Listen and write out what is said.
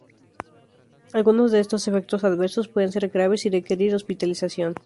Algunos de estos efectos adversos pueden ser graves y requerir hospitalización.